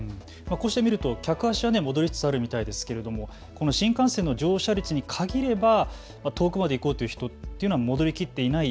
こうして見ると客足は戻りつつあるみたいですけれども新幹線の乗車率に限れば遠くまで行こうという人というのは戻りきっていない。